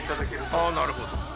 あなるほど。